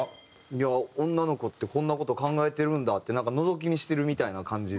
いや女の子ってこんな事考えてるんだってのぞき見してるみたいな感じで。